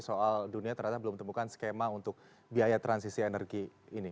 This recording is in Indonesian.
soal dunia ternyata belum temukan skema untuk biaya transisi energi ini